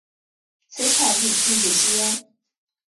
此场地禁止吸烟。